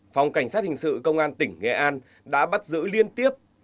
phòng cảnh sát hình sự công an tỉnh nghệ an đã bắt giữ liên tiếp